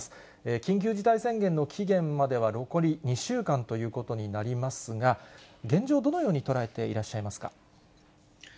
緊急事態宣言の期限までは残り２週間ということになりますが、現状、どのように捉えていらっしゃいますか。